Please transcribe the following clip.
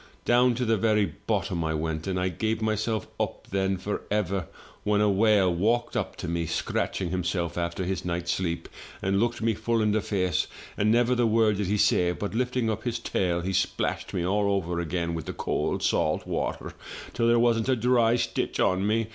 Down to the very bottom I went, and I gave myself up, then, for ever, when a whale walked up to me, scratching himself after his night's sleep, and looked me full in the face, and never the word did he say, but, lifting up his tail, he splashed me all over again with the cold salt water till there wasn't a dry stitch on me!